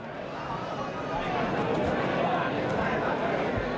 โปรดติดตามตอนต่อไป